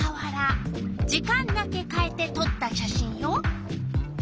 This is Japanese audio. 時間だけかえてとった写真よ。